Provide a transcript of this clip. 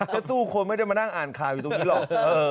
ก็สู้คนไม่ได้มานั่งอ่านข่าวอยู่ตรงนี้หรอก